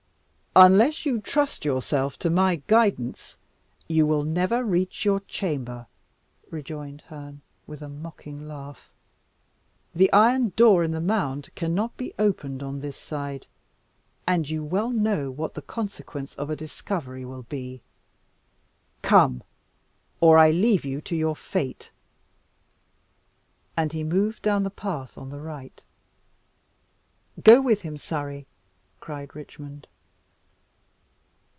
"Unless you trust yourself to my guidance, you will never reach your chamber," rejoined Herne, with a mocking laugh. "The iron door in the mound cannot be opened on this side, and you well know what the consequence of a discovery will be. Come, or I leave you to your fate." And he moved down the path on the right. "Go with him, Surrey," cried Richmond.